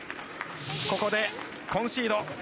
ここでコンシード。